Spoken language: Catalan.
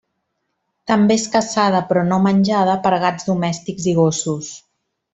També és caçada però no menjada per gats domèstics i gossos.